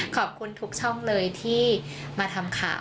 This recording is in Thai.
ขอบคุณทุกช่องเลยที่มาทำข่าว